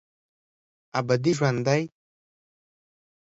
ابدي ژوندي